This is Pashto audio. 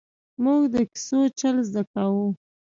ـ مونږ د کیسو چل زده کاوه!